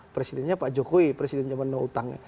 presidennya pak jokowi presiden zaman now utangnya